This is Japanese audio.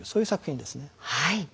はい。